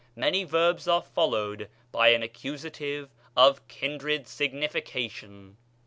Many verbs are followed by an accusative of kindred sig nification.